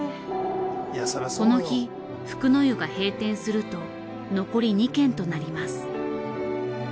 この日福の湯が閉店すると残り２軒となります。